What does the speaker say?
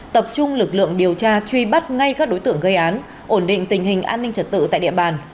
tập trung lực lượng điều tra truy bắt ngay các đối tượng gây án ổn định tình hình an ninh trật tự tại địa bàn